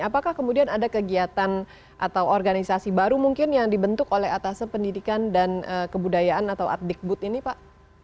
apakah kemudian ada kegiatan atau organisasi baru mungkin yang dibentuk oleh atasan pendidikan dan kebudayaan atau adikbud ini pak